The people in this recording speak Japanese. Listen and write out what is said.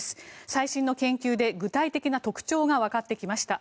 最新の研究で具体的な特徴がわかってきました。